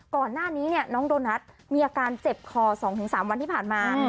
ก่อนหน้านี้น้องโดนัทมีอาการเจ็บคอ๒๓วันที่ผ่านมา